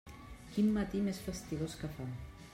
Quin matí més fastigós que fa!